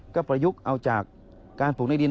ก็ประยุกต์เอาจากการปลูกในดิน